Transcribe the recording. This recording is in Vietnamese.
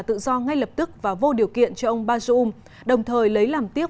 tự do ngay lập tức và vô điều kiện cho ông bajoum đồng thời lấy làm tiếc